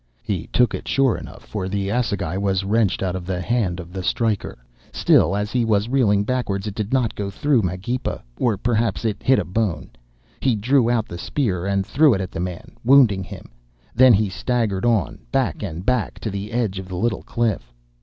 He took it sure enough, for the assegai was wrenched out of the hand of the striker. Still, as he was reeling backwards, it did not go through Magepa, or perhaps it hit a bone. He drew out the spear and threw it at the man, wounding him. Then he staggered on, back and back, to the edge of the little cliff.